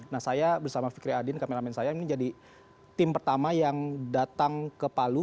nah saya bersama fikri adin kameramen saya menjadi tim pertama yang datang ke palu